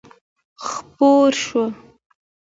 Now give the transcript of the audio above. خپور شو.